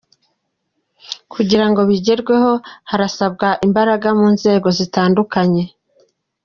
Kugirango bigerweho harasabwa imbaraga mu nzego zitandukanye.